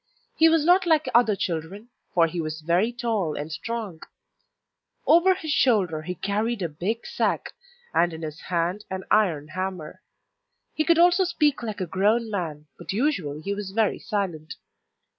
He was not like other children, for he was very tall and strong; over his shoulder he carried a big sack, and in his hand an iron hammer. He could also speak like a grown man, but usually he was very silent.